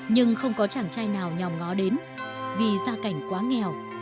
nhưng không có chàng trai nào nhòm ngó đến vì gia cảnh quá nghèo